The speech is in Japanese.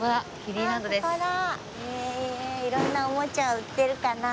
色んなおもちゃ売ってるかな？